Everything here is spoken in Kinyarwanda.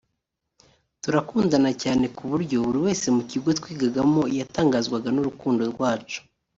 turakundana cyane ku buryo buri wese mu kigo twigagamo yatangazwaga n’urukundo rwacu